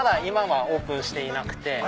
今はオープンしていなくて。